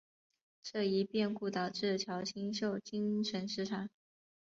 这一变故导致乔清秀精神失常。